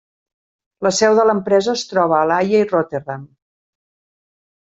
La seu de l'empresa es troba a La Haia i Rotterdam.